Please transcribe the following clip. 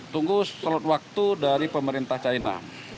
tunggu telut waktu dari pemerintah china